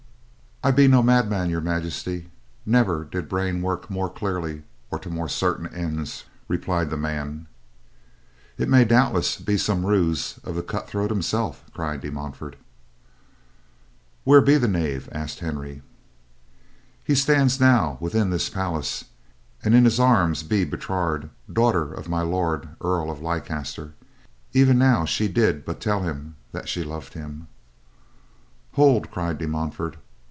"I be no madman, Your Majesty. Never did brain work more clearly or to more certain ends," replied the man. "It may doubtless be some ruse of the cut throat himself," cried De Montfort. "Where be the knave?" asked Henry. "He stands now within this palace and in his arms be Bertrade, daughter of My Lord Earl of Leicester. Even now she did but tell him that she loved him." "Hold," cried De Montfort.